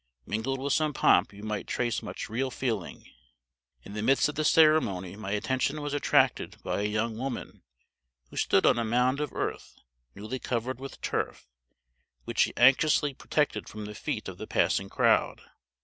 Mingled with some pomp you might trace much real feeling. In the midst of the ceremony my attention was attracted by a young woman who stood on a mound of earth newly covered with turf, which she anxiously protected from the feet of the passing crowd.